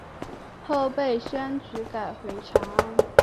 后被薛举赶回长安。